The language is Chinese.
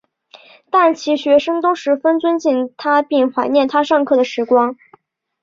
但其学生都十分尊敬他并怀念他上课时光。